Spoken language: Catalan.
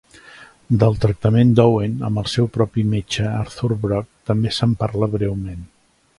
Del tractament d'Owen amb el seu propi metge, Arthur Brock, també se'n parla breument.